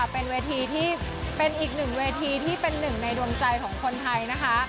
เป็นอีกหนึ่งเวทีที่เป็นหนึ่งในดวมใจของคนไทน์นะคะ